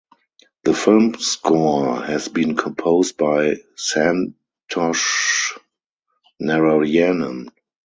The film score has been composed by Santhosh Narayanan.